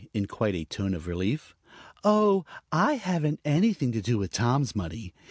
in quite a tone of relief. "Oh! I haven't anything to do with Tom's money.